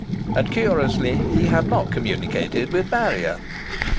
And, curiously, he had not communicated with Marrier.